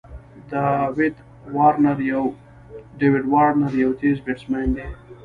داويد وارنر یو تېز بېټسمېن دئ.